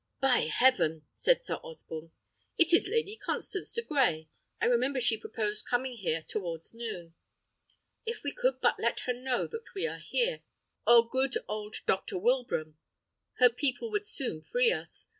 "By heaven!" said Sir Osborne, "it is Lady Constance de Grey! I remember she proposed coming here towards noon. If we could but let her know that we are here, or good old Dr. Wilbraham, her people would soon free us.